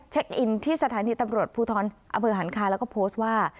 อินที่สถานีตำรวจภูทรอำเภอหันคาแล้วก็โพสต์ว่า